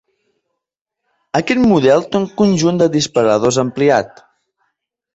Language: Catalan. Aquest model té un conjunt de disparadors ampliat.